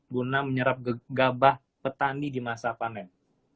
guna menyerap gabah petani di masa panen